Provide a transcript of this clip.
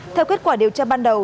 theo kết quả điều tra ban đầu